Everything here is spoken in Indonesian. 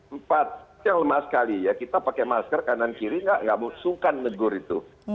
empat yang lemah sekali ya kita pakai masker kanan kiri tidak musuhkan menegur itu